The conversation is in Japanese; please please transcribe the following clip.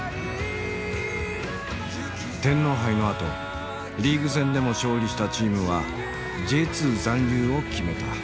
天皇杯のあとリーグ戦でも勝利したチームはＪ２残留を決めた。